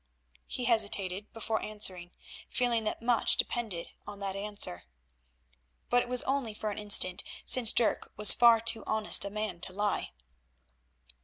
He hesitated before answering, feeling that much depended on that answer. But it was only for an instant, since Dirk was far too honest a man to lie.